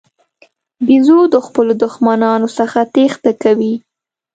بیزو د خپلو دښمنانو څخه تېښته کوي.